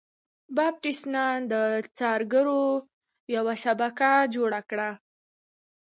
باپټیست نان د څارګرو یوه شبکه جوړه کړه.